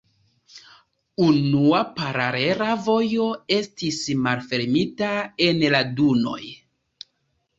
Unua paralela vojo estis malfermita en la dunoj.